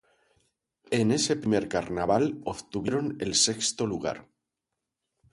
En ese primer carnaval, obtuvieron el sexto lugar.